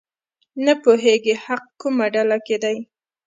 نه پوهېږي حق کومه ډله کې دی.